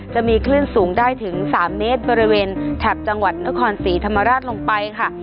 จะมีคลื่นสูงได้ถึง๓เมตรบริเวณแถบจังหวัดนครศรีธรรมราชลงไปค่ะ